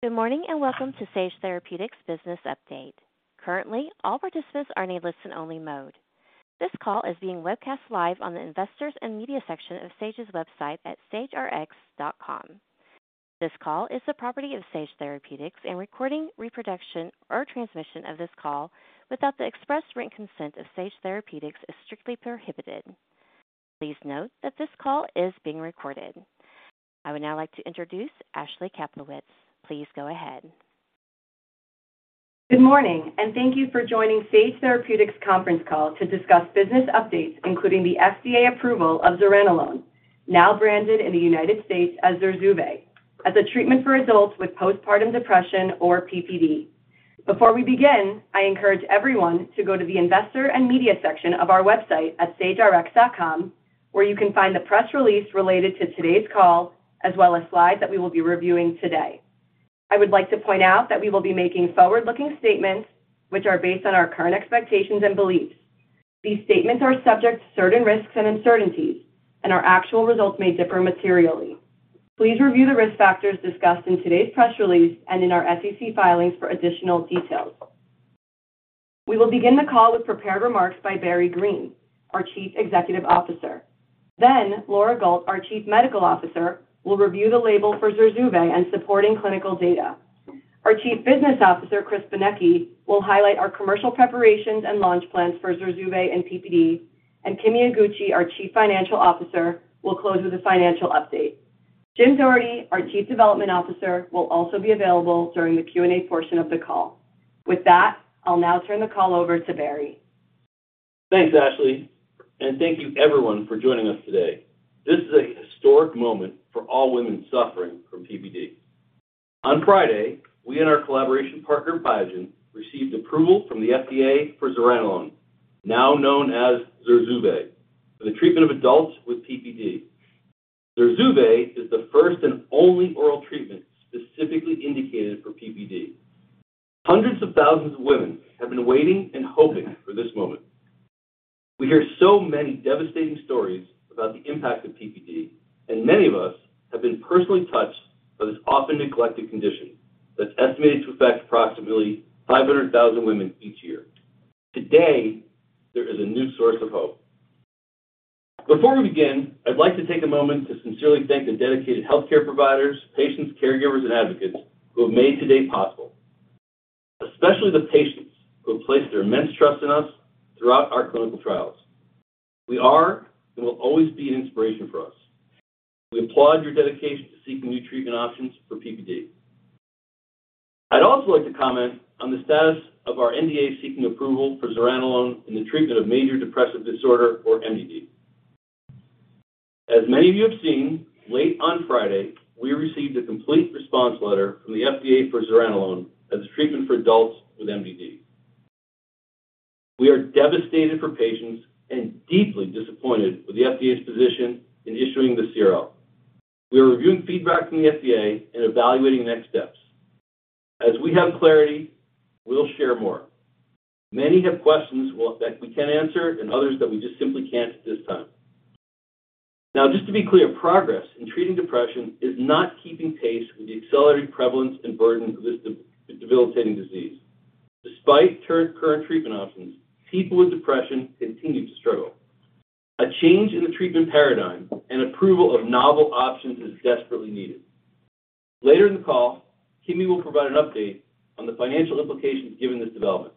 Good morning, and welcome to Sage Therapeutics Business Update. Currently, all participants are in a listen-only mode. This call is being webcast live on the Investors and Media section of Sage's website at sagerx.com. This call is the property of Sage Therapeutics, and recording, reproduction, or transmission of this call without the express written consent of Sage Therapeutics is strictly prohibited. Please note that this call is being recorded. I would now like to introduce Ashley Kaplowitz. Please go ahead. Good morning, and thank you for joining Sage Therapeutics conference call to discuss business updates, including the FDA approval of Zuranolone, now branded in the United States as ZURZUVAE, as a treatment for adults with Postpartum depression or PPD. Before we begin, I encourage everyone to go to the Investor and Media section of our website at sagerx.com, where you can find the press release related to today's call, as well as slides that we will be reviewing today. I would like to point out that we will be making forward-looking statements which are based on our current expectations and beliefs. These statements are subject to certain risks and uncertainties, and our actual results may differ materially. Please review the risk factors discussed in today's press release and in our SEC filings for additional details. We will begin the call with prepared remarks by Barry Greene, our Chief Executive Officer. Laura Gault, our Chief Medical Officer, will review the label for ZURZUVAE and supporting clinical data. Our Chief Business Officer, Chris Benecchi, will highlight our commercial preparations and launch plans for ZURZUVAE and PPD. Kimi Iguchi, our Chief Financial Officer, will close with a financial update. Jim Doherty, our Chief Development Officer, will also be available during the Q&A portion of the call. With that, I'll now turn the call over to Barry. Thanks, Ashley. Thank you everyone for joining us today. This is a historic moment for all women suffering from PPD. On Friday, we and our collaboration partner, Biogen, received approval from the FDA for Zuranolone, now known as ZURZUVAE, for the treatment of adults with PPD. ZURZUVAE is the first and only oral treatment specifically indicated for PPD. Hundreds of thousands of women have been waiting and hoping for this moment. We hear so many devastating stories about the impact of PPD, and many of us have been personally touched by this often neglected condition that's estimated to affect approximately 500,000 women each year. Today, there is a new source of hope. Before we begin, I'd like to take a moment to sincerely thank the dedicated healthcare providers, patients, caregivers, and advocates who have made today possible, especially the patients who have placed their immense trust in us throughout our clinical trials. We are and will always be an inspiration for us. We applaud your dedication to seeking new treatment options for PPD. I'd also like to comment on the status of our NDA seeking approval for Zuranolone in the treatment of Major Depressive Disorder or MDD. As many of you have seen, late on Friday, we received a complete response letter from the FDA for Zuranolone as a treatment for adults with MDD. We are devastated for patients and deeply disappointed with the FDA's position in issuing the CRL. We are reviewing feedback from the FDA and evaluating next steps. As we have clarity, we'll share more. Many have questions that we can answer and others that we just simply can't at this time. Just to be clear, progress in treating depression is not keeping pace with the accelerated prevalence and burden of this debilitating disease. Despite current treatment options, people with depression continue to struggle. A change in the treatment paradigm and approval of novel options is desperately needed. Later in the call, Kimi will provide an update on the financial implications given this development.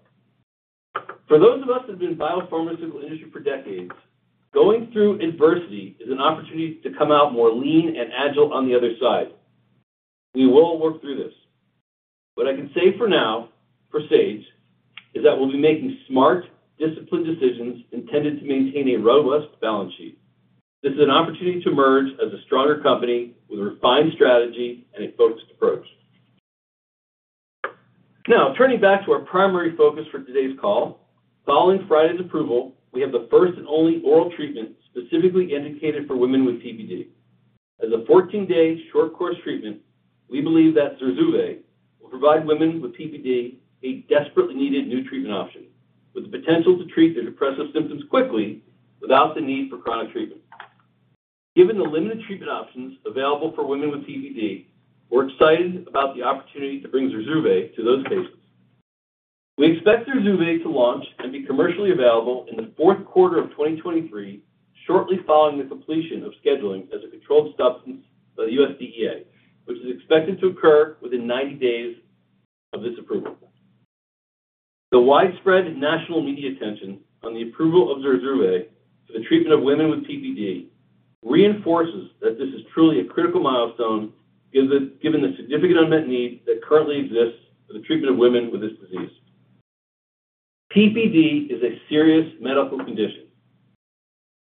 For those of us who've been in biopharmaceutical industry for decades, going through adversity is an opportunity to come out more lean and agile on the other side. We will work through this. What I can say for now, for Sage, is that we'll be making smart, disciplined decisions intended to maintain a robust balance sheet. This is an opportunity to emerge as a stronger company with a refined strategy and a focused approach. Now, turning back to our primary focus for today's call. Following Friday's approval, we have the first and only oral treatment specifically indicated for women with PPD. As a 14-day short course treatment, we believe that ZURZUVAE will provide women with PPD a desperately needed new treatment option, with the potential to treat their depressive symptoms quickly without the need for chronic treatment. Given the limited treatment options available for women with PPD, we're excited about the opportunity to bring ZURZUVAE to those patients. We expect ZURZUVAE to launch and be commercially available in the Q4 of 2023, shortly following the completion of scheduling as a controlled substance by the U.S. DEA, which is expected to occur within 90 days of this approval. The widespread national media attention on the approval of ZURZUVAE for the treatment of women with PPD reinforces that this is truly a critical milestone, given the significant unmet need that currently exists for the treatment of women with this disease. PPD is a serious medical condition.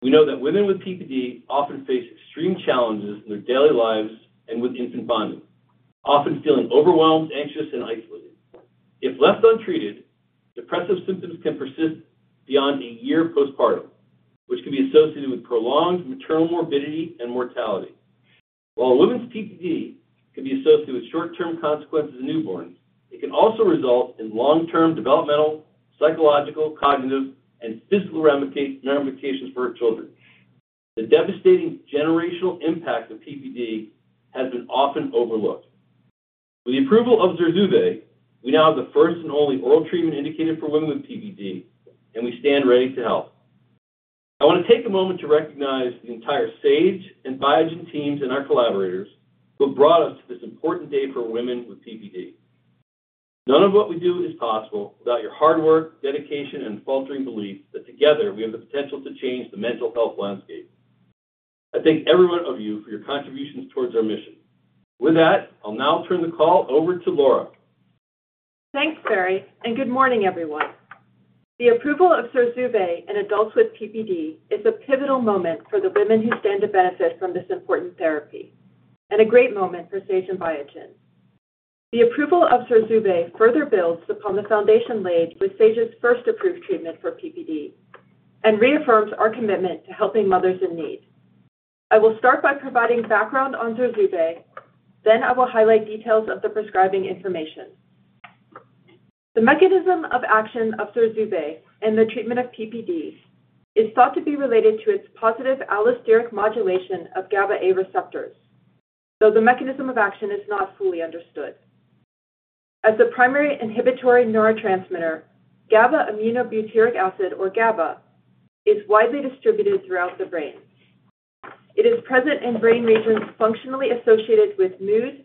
We know that women with PPD often face extreme challenges in their daily lives and with infant bonding, often feeling overwhelmed, anxious, and isolated. If left untreated, depressive symptoms can persist beyond a year postpartum, which can be associated with prolonged maternal morbidity and mortality. While a woman's PPD can be associated with short-term consequences of newborns, it can also result in long-term developmental, psychological, cognitive, and physical ramification for her children. The devastating generational impact of PPD has been often overlooked. With the approval of ZURZUVAE, we now have the first and only oral treatment indicated for women with PPD, and we stand ready to help. I want to take a moment to recognize the entire Sage and Biogen teams and our collaborators who brought us to this important day for women with PPD. None of what we do is possible without your hard work, dedication, and unfaltering belief that together we have the potential to change the mental health landscape. I thank every one of you for your contributions towards our mission. With that, I'll now turn the call over to Laura. Thanks, Barry. Good morning, everyone. The approval of ZURZUVAE in adults with PPD is a pivotal moment for the women who stand to benefit from this important therapy and a great moment for Sage and Biogen. The approval of ZURZUVAE further builds upon the foundation laid with Sage's first approved treatment for PPD and reaffirms our commitment to helping mothers in need. I will start by providing background on ZURZUVAE. I will highlight details of the prescribing information. The mechanism of action of ZURZUVAE in the treatment of PPD is thought to be related to its positive allosteric modulation of GABAA receptors, though the mechanism of action is not fully understood. As the primary inhibitory neurotransmitter, gamma-aminobutyric acid, or GABA, is widely distributed throughout the brain. It is present in brain regions functionally associated with mood,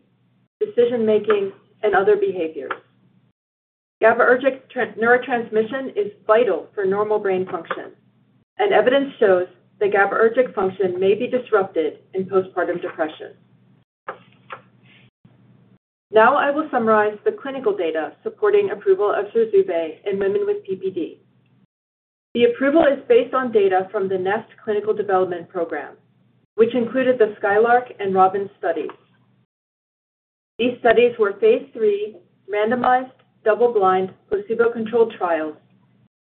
decision-making, and other behaviors. GABAergic neurotransmission is vital for normal brain function, and evidence shows that GABAergic function may be disrupted in postpartum depression. I will summarize the clinical data supporting approval of ZURZUVAE in women with PPD. The approval is based on data from the NEST Clinical Development Program, which included the SKYLARK and ROBIN studies. These studies were phase III randomized, double-blind, placebo-controlled trials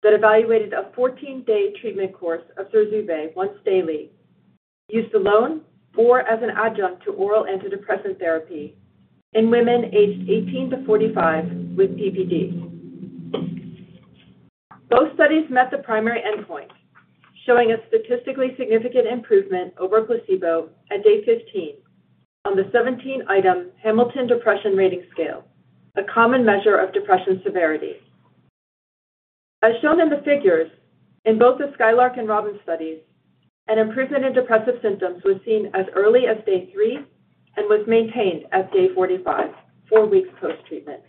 that evaluated a 14-day treatment course of ZURZUVAE once daily, used alone or as an adjunct to oral antidepressant therapy in women aged 18 to 45 with PPD. Both studies met the primary endpoint, showing a statistically significant improvement over placebo at day 15 on the 17-item Hamilton Depression Rating Scale, a common measure of depression severity. As shown in the figures, in both the SKYLARK and ROBIN studies, an improvement in depressive symptoms was seen as early as day three and was maintained at day 45, four weeks post-treatment.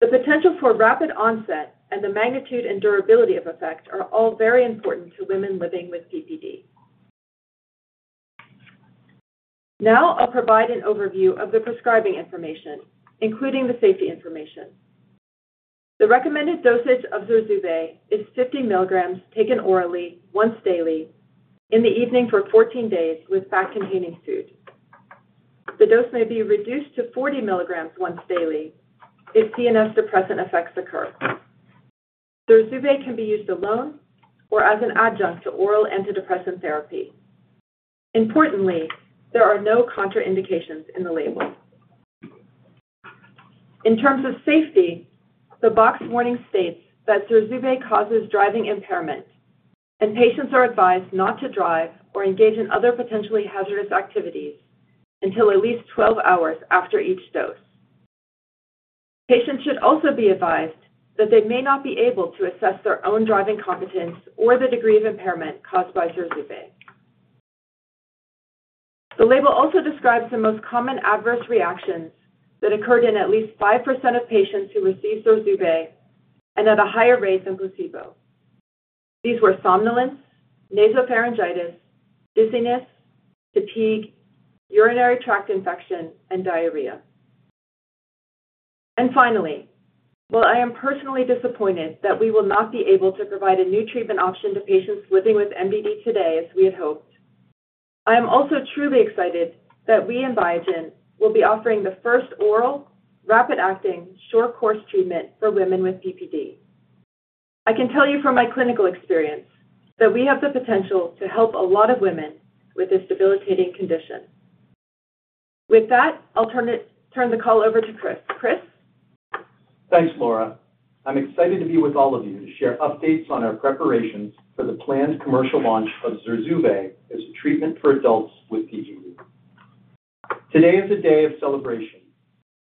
The potential for rapid onset and the magnitude and durability of effect are all very important to women living with PPD. Now I'll provide an overview of the prescribing information, including the safety information. The recommended dosage of ZURZUVAE is 50 mg, taken orally once daily in the evening for 14 days with fat-containing food. The dose may be reduced to 40 mg once daily if CNS depressant effects occur. ZURZUVAE can be used alone or as an adjunct to oral antidepressant therapy. Importantly, there are no contraindications in the label. In terms of safety, the box warning states that ZURZUVAE causes driving impairment, and patients are advised not to drive or engage in other potentially hazardous activities until at least 12 hours after each dose. Patients should also be advised that they may not be able to assess their own driving competence or the degree of impairment caused by ZURZUVAE. The label also describes the most common adverse reactions that occurred in at least 5% of patients who received ZURZUVAE and at a higher rate than placebo. These were somnolence, nasopharyngitis, dizziness, fatigue, urinary tract infection, and diarrhea. Finally, while I am personally disappointed that we will not be able to provide a new treatment option to patients living with MDD today as we had hoped, I am also truly excited that we and Biogen will be offering the first oral, rapid-acting, short-course treatment for women with PPD. I can tell you from my clinical experience that we have the potential to help a lot of women with this debilitating condition. With that, I'll turn the call over to Chris. Chris? Thanks, Laura. I'm excited to be with all of you to share updates on our preparations for the planned commercial launch of ZURZUVAE as a treatment for adults with PPD. Today is a day of celebration.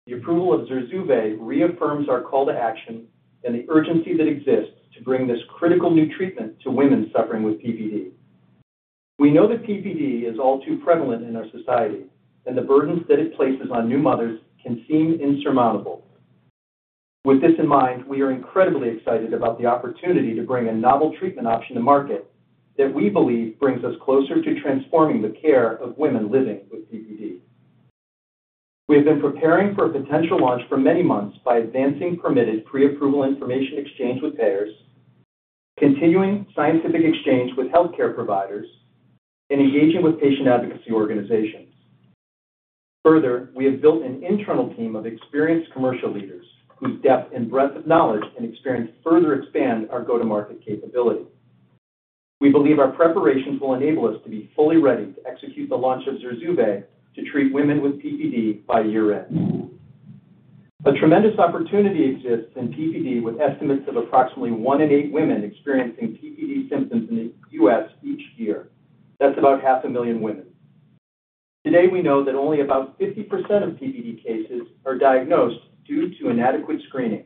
The approval of ZURZUVAE reaffirms our call to action and the urgency that exists to bring this critical new treatment to women suffering with PPD. We know that PPD is all too prevalent in our society, and the burdens that it places on new mothers can seem insurmountable. With this in mind, we are incredibly excited about the opportunity to bring a novel treatment option to market that we believe brings us closer to transforming the care of women living with PPD. We have been preparing for a potential launch for many months by advancing permitted pre-approval information exchange with payers, continuing scientific exchange with healthcare providers, and engaging with patient advocacy organizations. Further, we have built an internal team of experienced commercial leaders whose depth and breadth of knowledge and experience further expand our go-to-market capability. We believe our preparations will enable us to be fully ready to execute the launch of ZURZUVAE to treat women with PPD by year-end. A tremendous opportunity exists in PPD, with estimates of approximately one in eight women experiencing PPD symptoms in the U.S. each year. That's about half a million women. Today, we know that only about 50% of PPD cases are diagnosed due to inadequate screening.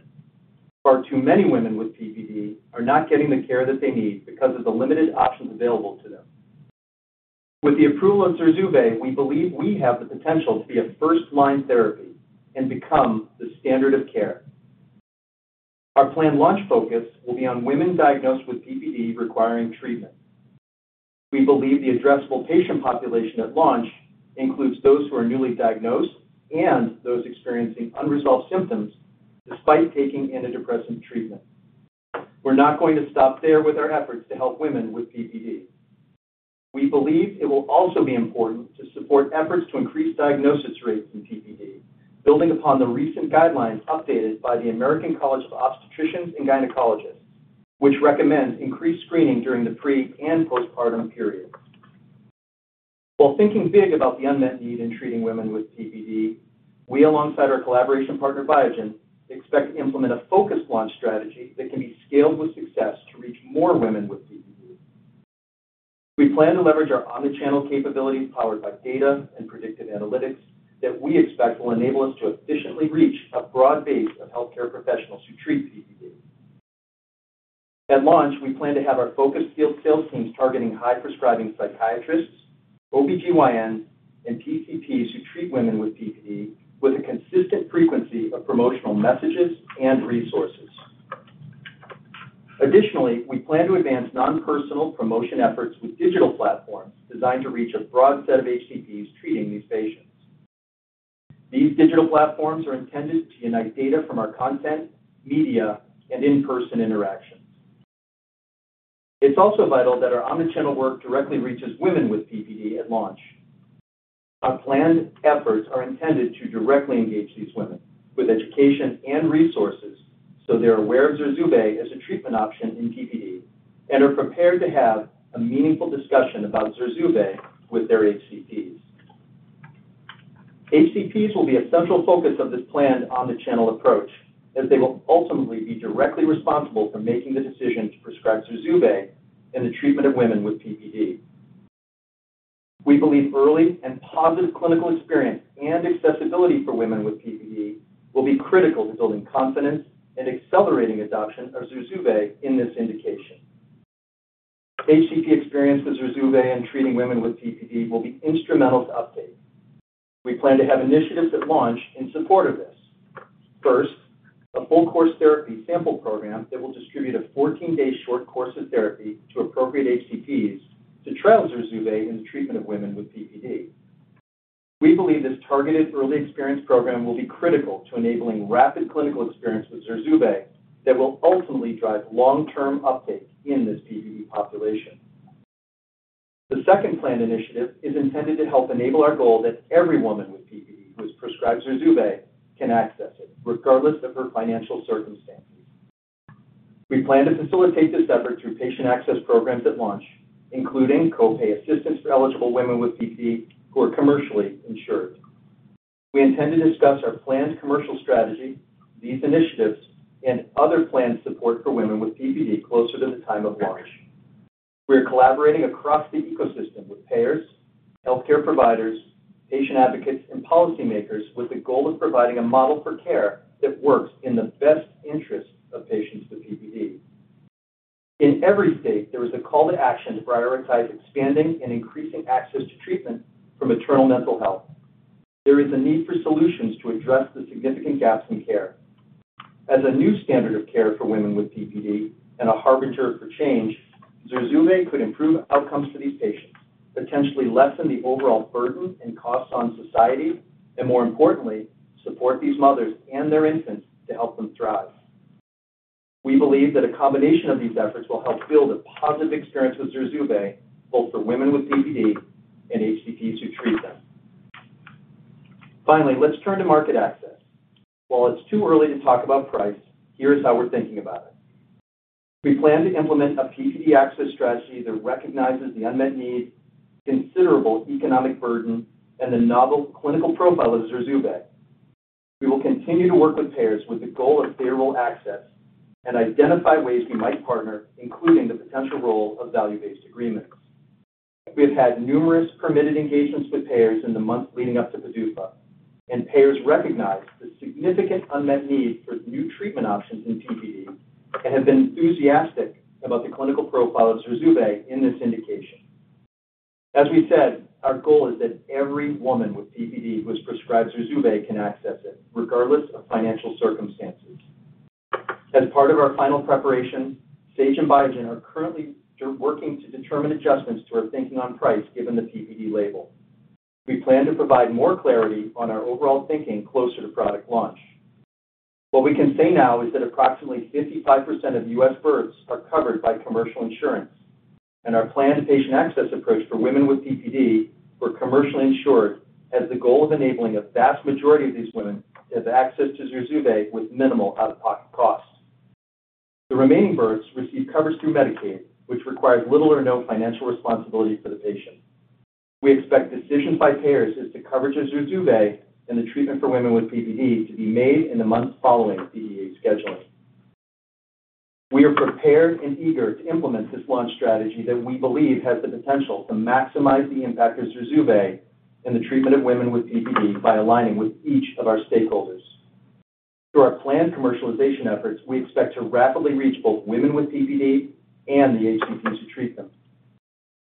Far too many women with PPD are not getting the care that they need because of the limited options available to them. With the approval of ZURZUVAE, we believe we have the potential to be a first-line therapy and become the standard of care. Our planned launch focus will be on women diagnosed with PPD requiring treatment. We believe the addressable patient population at launch includes those who are newly diagnosed and those experiencing unresolved symptoms despite taking antidepressant treatment. We're not going to stop there with our efforts to help women with PPD. We believe it will also be important to support efforts to increase diagnosis rates in PPD, building upon the recent guidelines updated by the American College of Obstetricians and Gynecologists, which recommends increased screening during the pre and postpartum period. While thinking big about the unmet need in treating women with PPD, we, alongside our collaboration partner, Biogen, expect to implement a focused launch strategy that can be scaled with success to reach more women with PPD. We plan to leverage our omnichannel capabilities, powered by data and predictive analytics, that we expect will enable us to efficiently reach a broad base of healthcare professionals who treat PPD. At launch, we plan to have our focused field sales teams targeting high-prescribing psychiatrists, OBGYNs, and PCPs who treat women with PPD with a consistent frequency of promotional messages and resources. Additionally, we plan to advance non-personal promotion efforts with digital platforms designed to reach a broad set of HCPs treating these patients. These digital platforms are intended to unite data from our content, media, and in-person interactions. It's also vital that our omnichannel work directly reaches women with PPD at launch. Our planned efforts are intended to directly engage these women with education and resources, so they're aware of ZURZUVAE as a treatment option in PPD and are prepared to have a meaningful discussion about ZURZUVAE with their HCPs. HCPs will be a central focus of this planned omnichannel approach, as they will ultimately be directly responsible for making the decision to prescribe ZURZUVAE in the treatment of women with PPD. We believe early and positive clinical experience and accessibility for women with PPD will be critical to building confidence and accelerating adoption of ZURZUVAE in this indication. HCP experience with ZURZUVAE in treating women with PPD will be instrumental to update. We plan to have initiatives at launch in support of this. First, a full course therapy sample program that will distribute a 14-day short course of therapy to appropriate HCPs to trial ZURZUVAE in the treatment of women with PPD. We believe this targeted early experience program will be critical to enabling rapid clinical experience with ZURZUVAE that will ultimately drive long-term updates in this PPD population. The second planned initiative is intended to help enable our goal that every woman with PPD who is prescribed ZURZUVAE can access it, regardless of her financial circumstances. We plan to facilitate this effort through patient access programs at launch, including co-pay assistance for eligible women with PPD who are commercially insured. We intend to discuss our planned commercial strategy, these initiatives, and other planned support for women with PPD closer to the time of launch. We are collaborating across the ecosystem with payers, healthcare providers, patient advocates, and policymakers with the goal of providing a model for care that works in the best interest of patients with PPD. In every state, there is a call to action to prioritize expanding and increasing access to treatment for maternal mental health. There is a need for solutions to address the significant gaps in care. As a new standard of care for women with PPD and a harbinger for change, ZURZUVAE could improve outcomes for these patients, potentially lessen the overall burden and costs on society, and more importantly, support these mothers and their infants to help them thrive. We believe that a combination of these efforts will help build a positive experience with ZURZUVAE, both for women with PPD and HCPs who treat them. Finally, let's turn to market access. While it's too early to talk about price, here's how we're thinking about it. We plan to implement a PPD access strategy that recognizes the unmet need, considerable economic burden, and the novel clinical profile of ZURZUVAE. We will continue to work with payers with the goal of favorable access and identify ways we might partner, including the potential role of value-based agreements. We've had numerous permitted engagements with payers in the months leading up to PDUFA. Payers recognize the significant unmet need for new treatment options in PPD and have been enthusiastic about the clinical profile of ZURZUVAE in this indication. As we said, our goal is that every woman with PPD who is prescribed ZURZUVAE can access it, regardless of financial circumstances. As part of our final preparation, Sage and Biogen are currently working to determine adjustments to our thinking on price, given the PPD label. We plan to provide more clarity on our overall thinking closer to product launch. What we can say now is that approximately 55% of U.S. births are covered by commercial insurance. Our planned patient access approach for women with PPD who are commercially insured has the goal of enabling a vast majority of these women to have access to ZURZUVAE with minimal out-of-pocket costs. The remaining births receive coverage through Medicaid, which requires little or no financial responsibility for the patient. We expect decisions by payers as to coverage of ZURZUVAE in the treatment for women with PPD to be made in the months following DEA scheduling. We are prepared and eager to implement this launch strategy that we believe has the potential to maximize the impact of ZURZUVAE in the treatment of women with PPD by aligning with each of our stakeholders. Through our planned commercialization efforts, we expect to rapidly reach both women with PPD and the HCPs who treat them.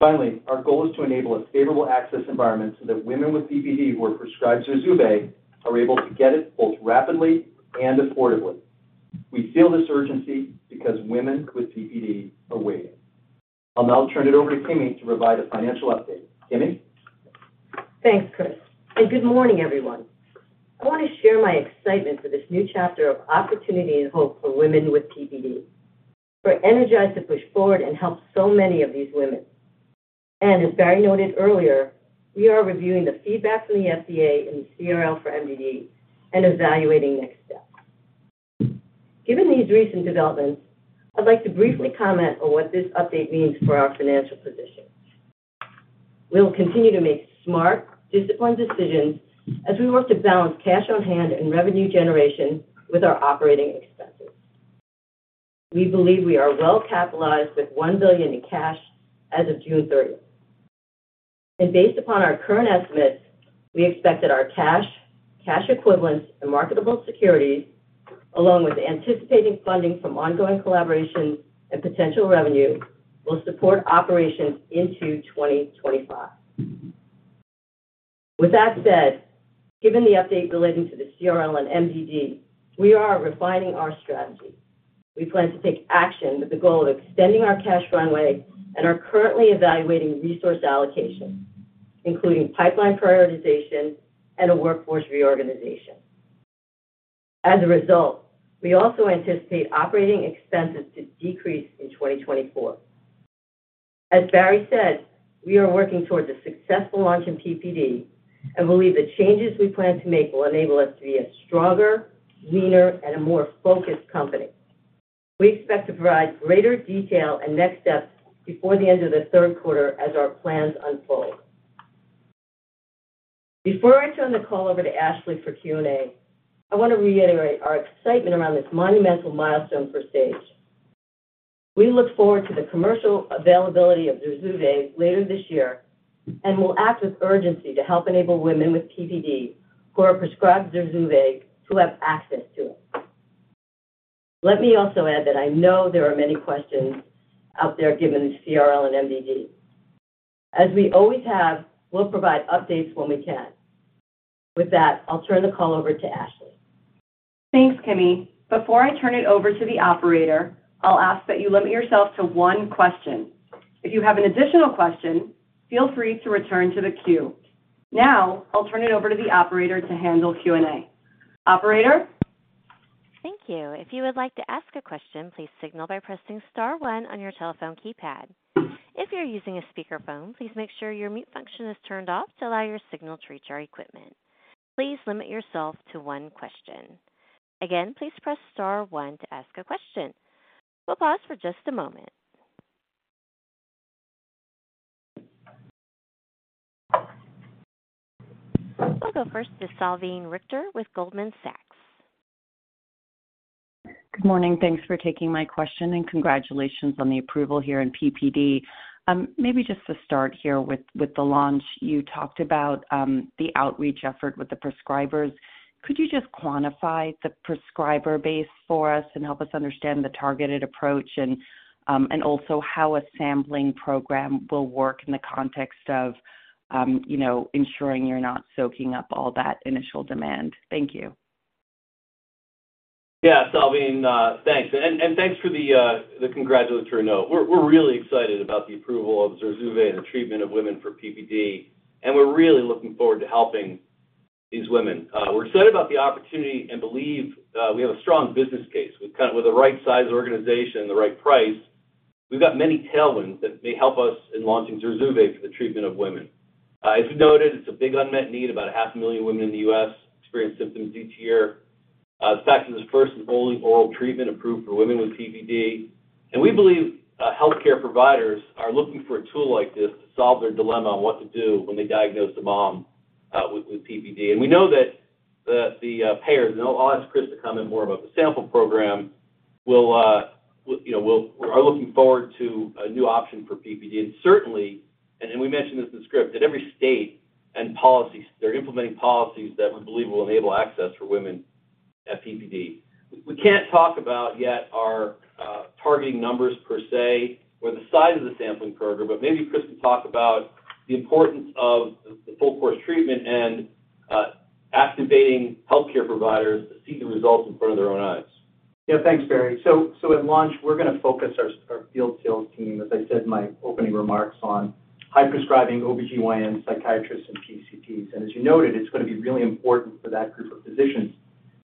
Finally, our goal is to enable a favorable access environment so that women with PPD who are prescribed ZURZUVAE are able to get it both rapidly and affordably. We feel this urgency because women with PPD are waiting. I'll now turn it over to Kimi to provide a financial update. Kimi? Thanks, Chris. Good morning, everyone. I want to share my excitement for this new chapter of opportunity and hope for women with PPD. We're energized to push forward and help so many of these women. As Barry noted earlier, we are reviewing the feedback from the FDA and the CRL for MDD and evaluating next steps. Given these recent developments, I'd like to briefly comment on what this update means for our financial position. We will continue to make smart, disciplined decisions as we work to balance cash on hand and revenue generation with our operating expenses. We believe we are well capitalized with $1 billion in cash as of June 30th. Based upon our current estimates, we expect that our cash, cash equivalents, and marketable securities, along with anticipating funding from ongoing collaborations and potential revenue, will support operations into 2025. With that said, given the update relating to the CRL and MDD, we are refining our strategy. We plan to take action with the goal of extending our cash runway and are currently evaluating resource allocation, including pipeline prioritization and a workforce reorganization. As a result, we also anticipate operating expenses to decrease in 2024. As Barry said, we are working towards a successful launch in PPD and believe the changes we plan to make will enable us to be a stronger, leaner, and a more focused company. We expect to provide greater detail and next steps before the end of the Q3 as our plans unfold. Before I turn the call over to Ashley for Q&A, I want to reiterate our excitement around this monumental milestone for Sage. We look forward to the commercial availability of ZURZUVAE later this year and will act with urgency to help enable women with PPD who are prescribed ZURZUVAE to have access to it. Let me also add that I know there are many questions out there given the CRL and MDD. As we always have, we'll provide updates when we can. With that, I'll turn the call over to Ashley. Thanks, Kimi. Before I turn it over to the operator, I'll ask that you limit yourself to one question. If you have an additional question, feel free to return to the queue. I'll turn it over to the operator to handle Q&A. Operator? Thank you. If you would like to ask a question, please signal by pressing star one on your telephone keypad. If you're using a speakerphone, please make sure your mute function is turned off to allow your signal to reach our equipment. Please limit yourself to one question. Again, please press star one to ask a question. We'll pause for just a moment. I'll go first to Salveen Richter with Goldman Sachs. Good morning. Thanks for taking my question, congratulations on the approval here in PPD. Maybe just to start here with, with the launch, you talked about the outreach effort with the prescribers. Could you just quantify the prescriber base for us and help us understand the targeted approach and also how a sampling program will work in the context of, you know, ensuring you're not soaking up all that initial demand? Thank you. Yeah, Salveen, thanks. Thanks for the congratulatory note. We're really excited about the approval of ZURZUVAE and the treatment of women for PPD, and we're really looking forward to helping these women. We're excited about the opportunity and believe we have a strong business case. With the right sized organization and the right price, we've got many tailwinds that may help us in launching ZURZUVAE for the treatment of women. As you noted, it's a big unmet need. About 500,000 women in the U.S. experience symptoms each year. The fact is, it's the first and only oral treatment approved for women with PPD. We believe healthcare providers are looking for a tool like this to solve their dilemma on what to do when they diagnose a mom with PPD. We know that the, the payers, and I'll ask Chris to comment more about the sample program, will, you know, We're looking forward to a new option for PPD. Certainly, and we mentioned this in script, that every state and policies. They're implementing policies that we believe will enable access for women at PPD. We can't talk about yet our targeting numbers per se, or the size of the sampling program, but maybe Chris can talk about the importance of the full course of treatment and activating healthcare providers to see the results in front of their own eyes. Yeah. Thanks, Barry. At launch, we're going to focus our field sales team, as I said in my opening remarks, on high prescribing OBGYN, psychiatrists, and PCPs. As you noted, it's going to be really important for that group of physicians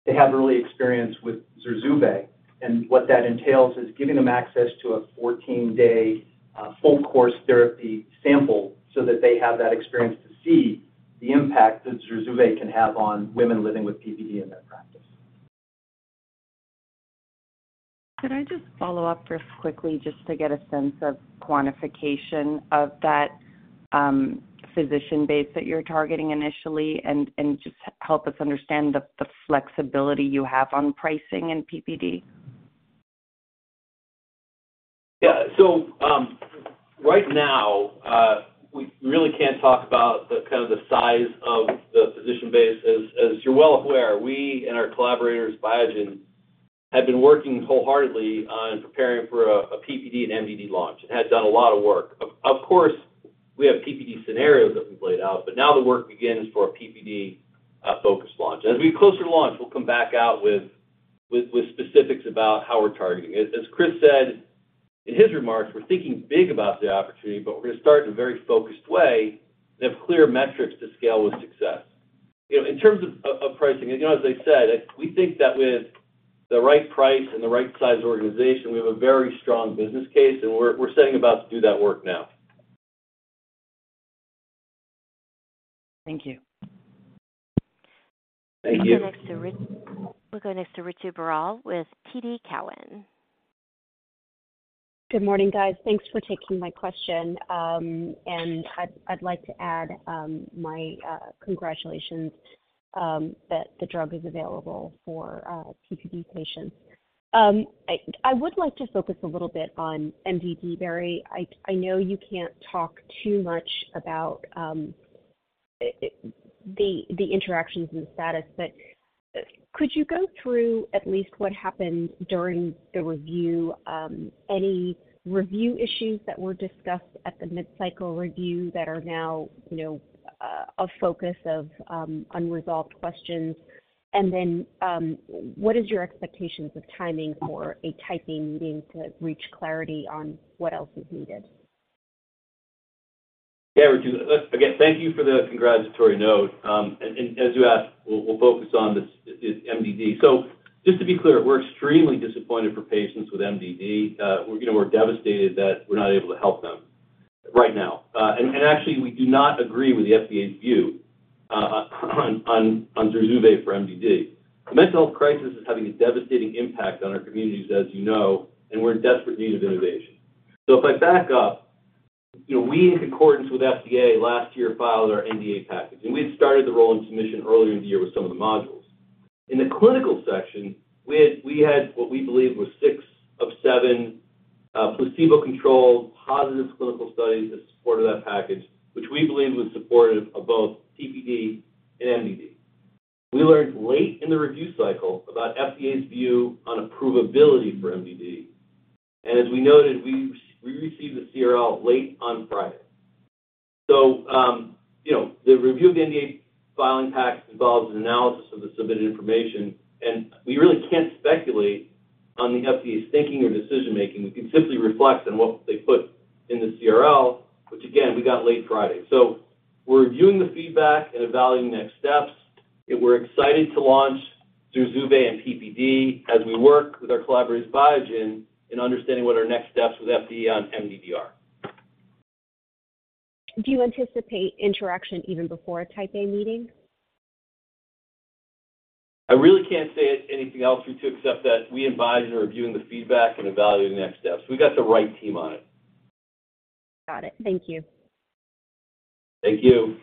to have early experience with ZURZUVAE. What that entails is giving them access to a 14-day full course therapy sample, so that they have that experience to see. The impact that ZURZUVAE can have on women living with PPD in their practice. Could I just follow up real quickly just to get a sense of quantification of that physician base that you're targeting initially and, and just help us understand the flexibility you have on pricing in PPD? Yeah. Right now, we really can't talk about the kind of the size of the physician base. As you're well aware, we and our collaborators, Biogen, have been working wholeheartedly on preparing for a PPD and MDD launch and have done a lot of work. Of course, we have PPD scenarios that we've laid out, but now the work begins for a PPD focus launch. As we get closer to launch, we'll come back out with specifics about how we're targeting. As Chris said in his remarks, we're thinking big about the opportunity, but we're gonna start in a very focused way and have clear metrics to scale with success. You know, in terms of pricing, you know, as I said, we think that with the right price and the right size organization, we have a very strong business case, and we're setting about to do that work now. Thank you. Thank you. We'll go next to Ritu. We'll go next to Ritu Baral with TD Cowen. Good morning, guys. Thanks for taking my question. I'd, I'd like to add my congratulations that the drug is available for PPD patients. I, I would like to focus a little bit on MDD, Barry. I, I know you can't talk too much about the interactions and the status, but could you go through at least what happened during the review, any review issues that were discussed at the mid-cycle review that are now, you know, a focus of unresolved questions? What is your expectations of timing for a Type A meeting to reach clarity on what else is needed? Yeah, Ritu. Again, thank you for the congratulatory note. As you asked, we'll focus on this MDD. Just to be clear, we're extremely disappointed for patients with MDD. We're, you know, we're devastated that we're not able to help them right now. Actually, we do not agree with the FDA's view on ZURZUVAE for MDD. The mental health crisis is having a devastating impact on our communities, as you know, and we're in desperate need of innovation. If I back up, you know, we, in accordance with FDA, last year, filed our NDA package, and we had started the rolling submission earlier in the year with some of the modules. In the clinical section, we had, we had what we believed was six of seven placebo-controlled, positive clinical studies that supported that package, which we believed was supportive of both PPD and MDD. We learned late in the review cycle about FDA's view on approvability for MDD. As we noted, we received the CRL late on Friday. You know, the review of the NDA filing package involves an analysis of the submitted information. We really can't speculate on the FDA's thinking or decision making. We can simply reflect on what they put in the CRL, which again, we got late Friday. We're reviewing the feedback and evaluating the next steps. We're excited to launch ZURZUVAE and PPD as we work with our collaborators, Biogen, in understanding what our next steps with FDA on MDD are. Do you anticipate interaction even before a Type A meeting? I really can't say anything else, Ritu, except that we advise and are reviewing the feedback and evaluating the next steps. We've got the right team on it. Got it. Thank you. Thank you.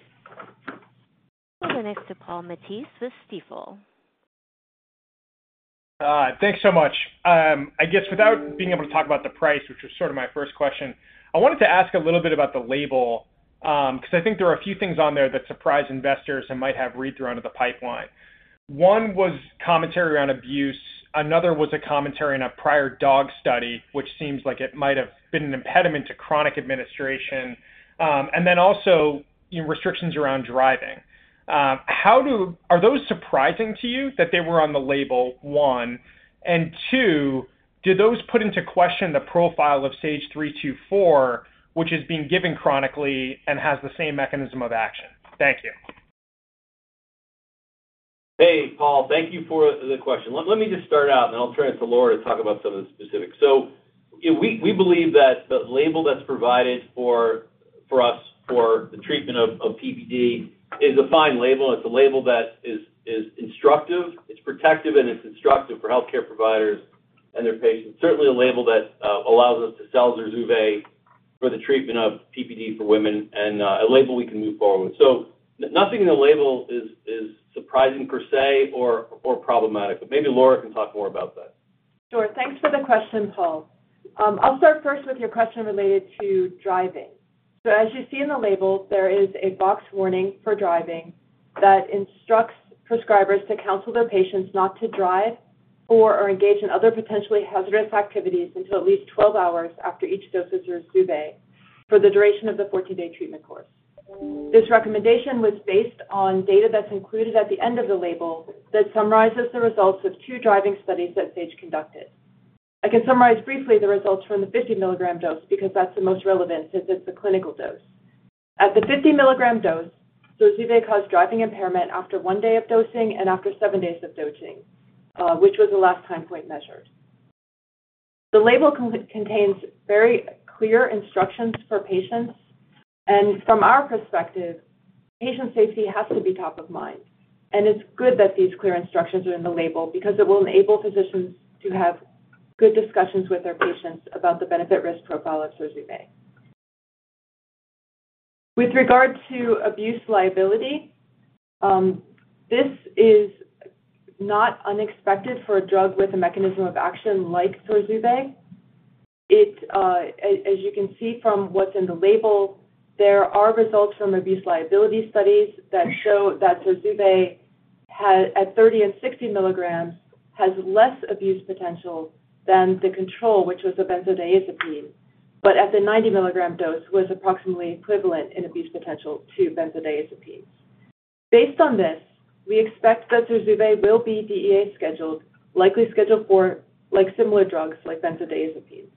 We'll go next to Paul Matteis with Stifel. Thanks so much. I guess without being able to talk about the price, which was sort of my first question, I wanted to ask a little bit about the label, because I think there are a few things on there that surprise investors and might have readthrough out of the pipeline. One was commentary around abuse, another was a commentary on a prior dog study, which seems like it might have been an impediment to chronic administration, and then also, you know, restrictions around driving. How do, are those surprising to you that they were on the label, one? Two, do those put into question the profile of SAGE-324, which is being given chronically and has the same mechanism of action? Thank you. Hey, Paul. Thank you for the question. Let me just start out, and I'll turn it to Laura to talk about some of the specifics. We, we believe that the label that's provided for, for us, for the treatment of, of PPD is a fine label. It's a label that is, is instructive. It's protective, and it's instructive for healthcare providers and their patients. Certainly, a label that allows us to sell ZURZUVAE for the treatment of PPD for women and a label we can move forward with. Nothing in the label is, is surprising per se or, or problematic, but maybe Laura can talk more about that. Sure. Thanks for the question, Paul. I'll start first with your question related to driving. As you see in the label, there is a box warning for driving that instructs prescribers to counsel their patients not to drive or engage in other potentially hazardous activities until at least 12 hours after each dose of ZURZUVAE for the duration of the 40-day treatment course. This recommendation was based on data that's included at the end of the label that summarizes the results of two driving studies that Sage conducted. I can summarize briefly the results from the 50-milligram dose because that's the most relevant since it's the clinical dose. At the 50-milligram dose, ZURZUVAE caused driving impairment after one day of dosing and after seven days of dosing, which was the last time point measured. The label contains very clear instructions for patients. From our perspective, patient safety has to be top of mind. It's good that these clear instructions are in the label because it will enable physicians to have good discussions with their patients about the benefit-risk profile of ZURZUVAE. With regard to abuse liability, this is not unexpected for a drug with a mechanism of action like ZURZUVAE. It, as you can see from what's in the label, there are results from abuse liability studies that show that ZURZUVAE has, at 30 and 60 milligrams, has less abuse potential than the control, which was a benzodiazepine, but at the 90 milligram dose, was approximately equivalent in abuse potential to benzodiazepines. Based on this, we expect that ZURZUVAE will be DEA scheduled, likely Schedule IV, like similar drugs, like benzodiazepines.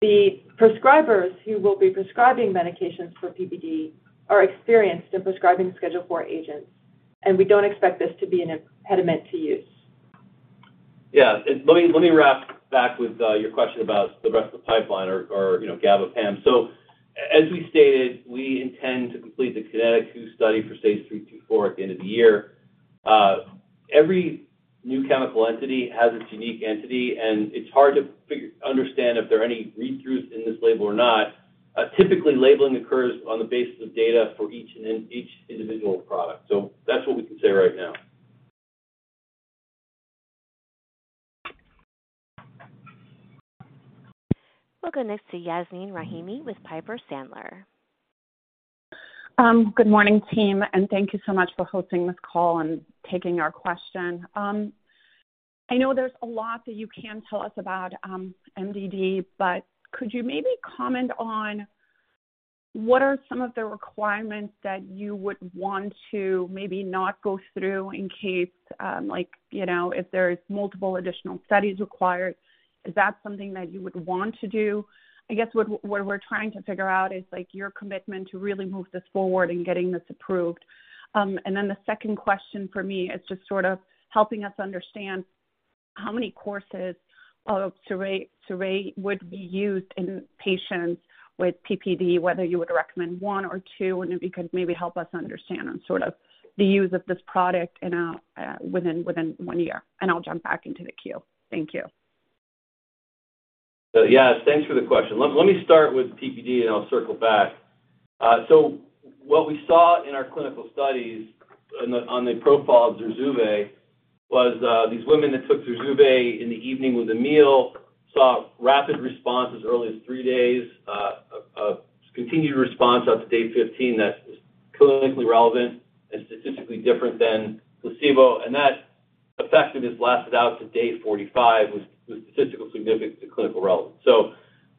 The prescribers who will be prescribing medications for PPD are experienced in prescribing Schedule IV agents, and we don't expect this to be an impediment to use. Let me, let me wrap back with your question about the rest of the pipeline or, or, you know, Gabapentin. As we stated, we intend to complete the KINETIC 2 Study for SAGE-324 at the end of the year. Every new chemical entity has its unique entity, and it's hard to understand if there are any read-throughs in this label or not. Typically, labeling occurs on the basis of data for each and then each individual product. That's what we can say right now. We'll go next to Yasmeen Rahimi with Piper Sandler. Good morning, team, and thank you so much for hosting this call and taking our question. I know there's a lot that you can tell us about MDD. Could you maybe comment on what are some of the requirements that you would want to maybe not go through in case, like, you know, if there's multiple additional studies required, is that something that you would want to do? I guess what, what we're trying to figure out is, like, your commitment to really move this forward in getting this approved. Then the second question for me is just sort of helping us understand how many courses of ZURZUVAE would be used in patients with PPD, whether you would recommend one or two, and if you could maybe help us understand on sort of the use of this product in a within one year. I'll jump back into the queue. Thank you. Yes, thanks for the question. Let me start with PPD, and I'll circle back. What we saw in our clinical studies on the profile of ZURZUVAE was, these women that took ZURZUVAE in the evening with a meal saw rapid response as early as three days, a continued response up to day 15 that's clinically relevant and statistically different than placebo, and that effectiveness lasted out to day 45, with statistical significance to clinical relevance.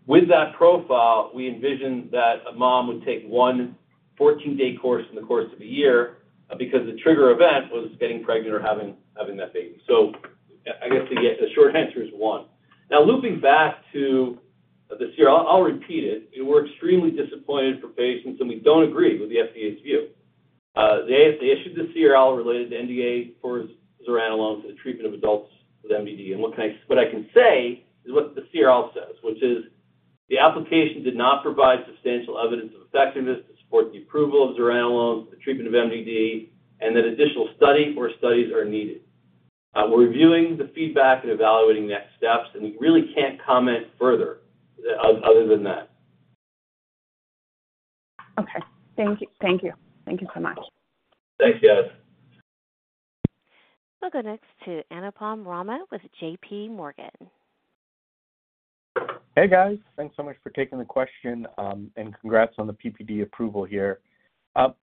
With that profile, we envisioned that a mom would take one 14-day course in the course of a year because the trigger event was getting pregnant or having that baby. I guess the short answer is one. Now, looping back to the CRL, I'll repeat it. We're extremely disappointed for patients, and we don't agree with the FDA's view. They, they issued the CRL related to NDA for Zuranolone for the treatment of adults with MDD. What I can say is what the CRL says, which is: The application did not provide substantial evidence of effectiveness to support the approval of Zuranolone for the treatment of MDD and that additional study or studies are needed. We're reviewing the feedback and evaluating next steps, and we really can't comment further other than that. Okay. Thank you. Thank you. Thank you so much. Thanks, Yasmeen. We'll go next to Anupam Rama with JPMorgan. Hey, guys. Thanks so much for taking the question. Congrats on the PPD approval here.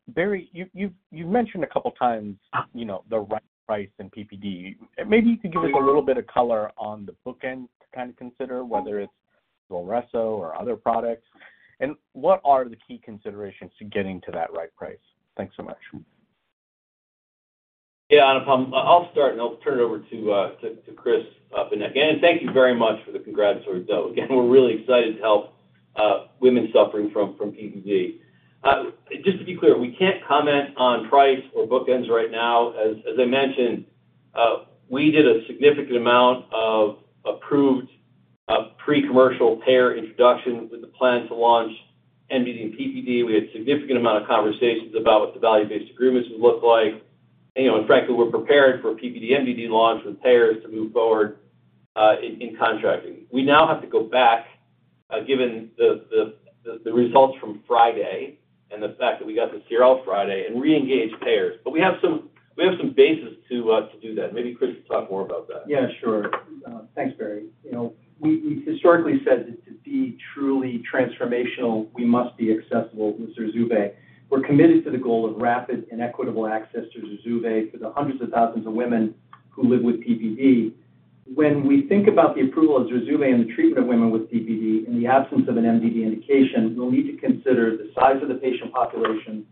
Barry, you, you've, you've mentioned a couple of times, you know, the right price in PPD. Maybe you can give us a little bit of color on the bookend to kind of consider whether it's ZURZUVAE or other products. What are the key considerations to getting to that right price? Thanks so much. Yeah, Anupam, I'll start, and I'll turn it over to to Chris for that. Thank you very much for the congrats for Zurzo. Again, we're really excited to help women suffering from from PPD. Just to be clear, we can't comment on price or book ends right now. As I mentioned, we did a significant amount of approved pre-commercial payer introduction with the plan to launch MDD and PPD. We had a significant amount of conversations about what the value-based agreements would look like. You know, in fact, we were prepared for a PPD, MDD launch with payers to move forward in in contracting. We now have to go back, given the results from Friday and the fact that we got the CRL Friday, and reengage payers. We have some, we have some basis to to do that. Maybe Chris can talk more about that. Yeah, sure. Thanks, Barry. You know, we, we historically said that to be truly transformational, we must be accessible with ZURZUVAE. We're committed to the goal of rapid and equitable access to ZURZUVAE for the hundreds of thousands of women who live with PPD. When we think about the approval of ZURZUVAE and the treatment of women with PPD in the absence of an MDD indication, we'll need to consider the size of the patient population,